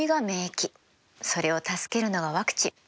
それを助けるのがワクチン。